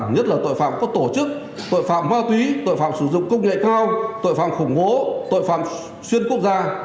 nhất là tội phạm có tổ chức tội phạm ma túy tội phạm sử dụng công nghệ cao tội phạm khủng bố tội phạm xuyên quốc gia